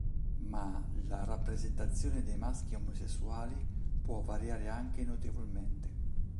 Ma la rappresentazione dei maschi omosessuali può variare anche notevolmente.